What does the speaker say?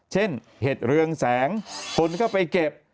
เช่นเห็ดเรืองแสงคนเข้าไปเก็บ